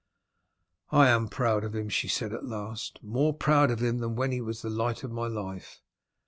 "I am proud of him," she said at last; "more proud of him than when he was the light of my life.